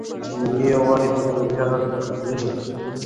ملي یووالی د بریا کیلي ده.